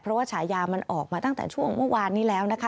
เพราะว่าฉายามันออกมาตั้งแต่ช่วงเมื่อวานนี้แล้วนะคะ